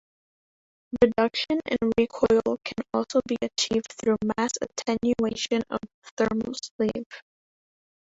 Reduction in recoil can also be achieved through mass attenuation of the thermal sleeve.